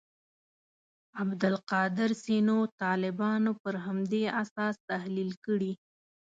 عبدالقادر سینو طالبان پر همدې اساس تحلیل کړي.